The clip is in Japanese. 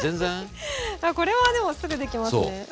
これはでもすぐできますね。